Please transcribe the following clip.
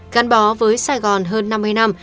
gắn bó với sài gòn hơn năm mươi năm